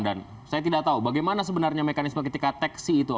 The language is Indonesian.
dan saya tidak tahu bagaimana sebenarnya mekanisme ketika teksi itu